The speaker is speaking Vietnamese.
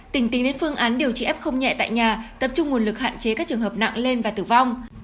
tỉnh tính đến phương án điều trị f nhẹ tại nhà tập trung nguồn lực hạn chế các trường hợp nặng lên và tử vong